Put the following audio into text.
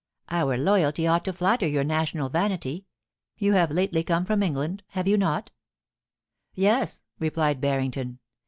Our loyalty ought to flatter your national vanity. You have lately come from England, have you not ?Yes,' replied Barrington.